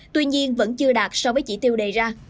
tuy nhiên vẫn chưa đạt so với chỉ tiêu đề ra